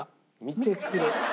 「見てくれ」。